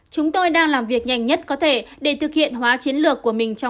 chúng tôi đang làm việc nhanh nhất có thể để thực hiện hóa chiến lược của mình